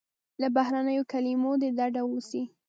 له بهرنیو کلیمو دې ډډه وسي.